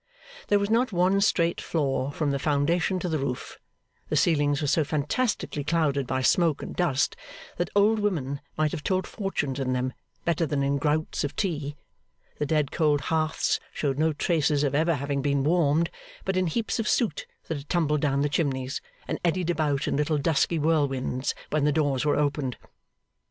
There was not one straight floor from the foundation to the roof; the ceilings were so fantastically clouded by smoke and dust, that old women might have told fortunes in them better than in grouts of tea; the dead cold hearths showed no traces of having ever been warmed but in heaps of soot that had tumbled down the chimneys, and eddied about in little dusky whirlwinds when the doors were opened.